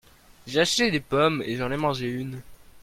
J'ai acheté des pommes et j'en ai mangé une.